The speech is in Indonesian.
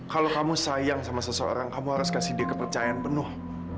kalau kamu sayang sama seseorang kamu harus kasih dia kepercayaan penuh